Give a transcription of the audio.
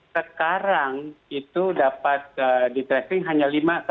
sekarang itu dapat di tracing hanya lima